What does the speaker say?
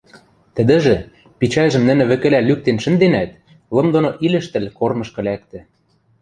Тӹдӹжӹ, пичӓлжӹм нӹнӹ вӹкӹлӓ лӱктен шӹнденӓт, лым доно илӹштӹл, корнышкы лӓктӹ.